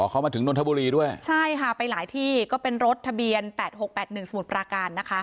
อ๋อเข้ามาถึงนนทบุรีด้วยใช่ค่ะไปหลายที่ก็เป็นรถทะเบียนแปดหกแปดหนึ่งสมุทรประการนะคะ